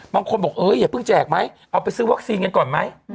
บางคนบอกเอออย่าเพิ่งแจกไหมเอาไปซื้อวัคซีนกันก่อนไหม